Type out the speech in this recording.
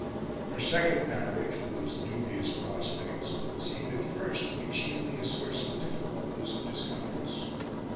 Her second marriage, with its dubious prospects, seemed at first to be chiefly a source of difficulties and discomforts.